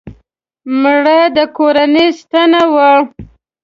مړه د کورنۍ ستنه وه